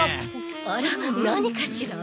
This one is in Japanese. あら何かしら？